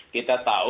kita tahu kita tahu